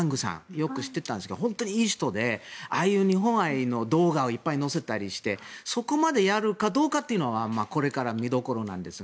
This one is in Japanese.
よく知っていたんですが本当にいい人でああいう日本愛の動画をいっぱい載せたりしてそこまでやるかどうかというのはこれから見どころなんですが